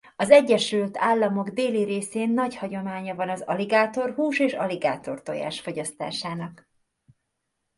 Az Egyesült Államok déli részén nagy hagyománya van az aligátorhús és aligátortojás fogyasztásának.